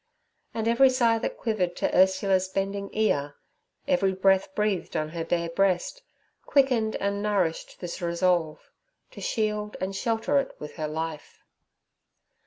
And every sigh that quivered to Ursula's bending ear, every breath breathed on her bared breast, quickened and nourished this resolve—to shield and shelter it with her life.